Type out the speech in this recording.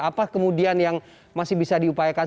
apa kemudian yang masih bisa diupayakan